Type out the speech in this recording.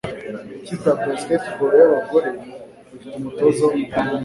Ikipe ya basketball y'abagore ifite umutoza wumugabo.